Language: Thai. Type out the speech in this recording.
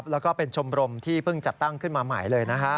แล้วก็เป็นชมรมที่เพิ่งจัดตั้งขึ้นมาใหม่เลยนะฮะ